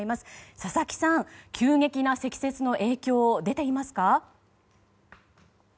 佐々木さん、急激な積雪の影響出ていますか？